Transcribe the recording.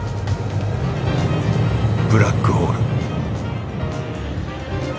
ブラックホール。